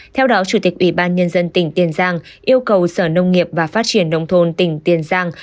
theo đó chủ tịch ubnd tỉnh tiền giang yêu cầu sở nông nghiệp và phát triển nông thôn tỉnh tiền giang